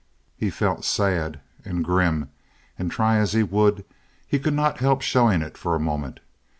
He felt sad and grim, and, try as he would—he could not help showing it for a moment.